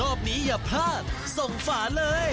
รอบนี้อย่าพลาดส่งฝาเลย